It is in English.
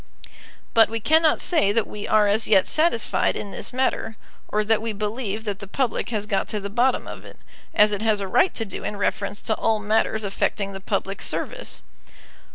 But we cannot say that we are as yet satisfied in this matter, or that we believe that the public has got to the bottom of it, as it has a right to do in reference to all matters affecting the public service.